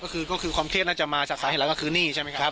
ก็คือความเทศอาจจะมาจากขายให้เราก็คือหนี้ใช่ไหมครับ